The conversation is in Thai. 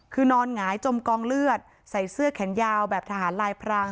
คือนอนหงายจมกองเลือดใส่เสื้อแขนยาวแบบทหารลายพราง